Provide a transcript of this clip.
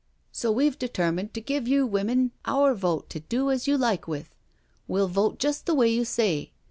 " So we've determined to give you women our vote to do as you like with. We'll vote just the way you say."